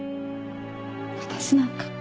私なんか。